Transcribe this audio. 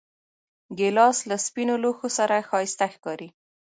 ګیلاس له سپینو لوښو سره ښایسته ښکاري.